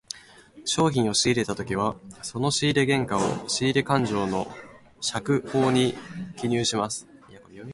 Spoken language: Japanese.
商品を仕入れたときはその仕入れ原価を、仕入れ勘定の借方に記入します。